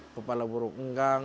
tentu kepala buruk nggang